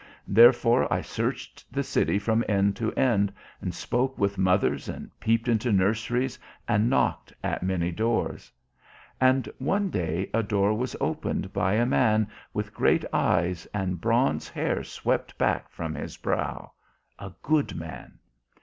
Therefore I searched the city from end to end and spoke with mothers and peeped into nurseries and knocked at many doors. And one day a door was opened by a man with great eyes and bronze hair swept back from his brow a good man.